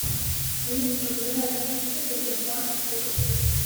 Oui, je voudrais être fixée sur ce point et sur d'autres.